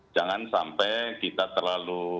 jangan sampai kita terlalu